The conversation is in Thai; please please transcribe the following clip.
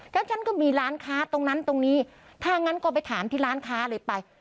แล้วฉันก็มีร้านค้าตรงนั้นตรงนี้ถ้างั้นก็ไปถามที่ร้านค้าเลยไป